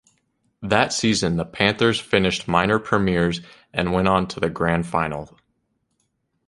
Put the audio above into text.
That season the Panthers finished minor premiers and went on to the grand final.